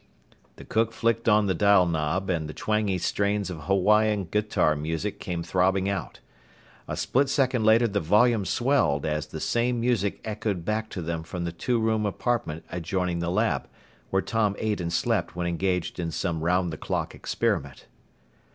The cook flicked on the dial knob and the twangy strains of Hawaiian guitar music came throbbing out. A split second later the volume swelled as the same music echoed back to them from the two room apartment adjoining the lab, where Tom ate and slept when engaged in some round the clock experiment.